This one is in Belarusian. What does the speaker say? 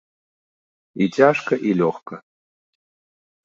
І цяжка і лёгка.